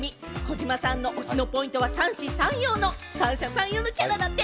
児嶋さんの推しのポイントは三者三様のキャラだって。